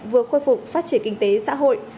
vừa khôi phục phát triển kinh tế xã hội